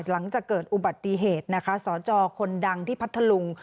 หลังจากเกิดอุบัติเหตุนะคะสจคนดังที่พัทธลุง